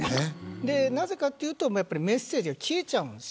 なぜかというとメッセージが消えるんです。